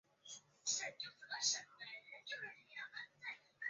北坞村成为清漪园西部耕织图景区的外延。